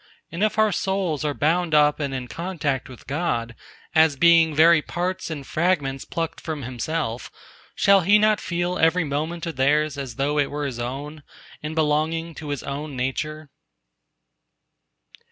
And if our souls are bound up and in contact with God, as being very parts and fragments plucked from Himself, shall He not feel every movement of theirs as though it were His own, and belonging to His own nature?"